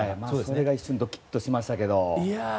一瞬ドキッとしましたけど。